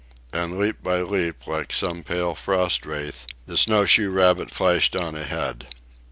And leap by leap, like some pale frost wraith, the snowshoe rabbit flashed on ahead.